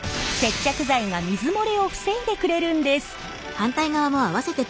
接着剤が水漏れを防いでくれるんです。